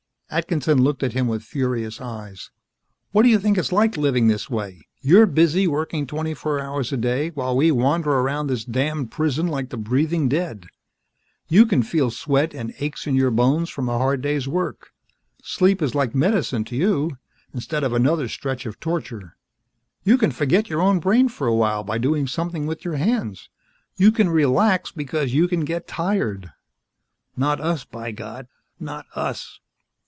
Atkinson looked at him with furious eyes. "What do you think it's like, living this way? You're busy working twenty four hours a day, while we wander around this damned prison like the breathing dead. You can feel sweat and aches in your bones from a hard day's work. Sleep is like medicine to you, instead of another stretch of torture. You can forget your own brain for a while by doing something with your hands. You can relax because you can get tired. Not us, by God. Not us!"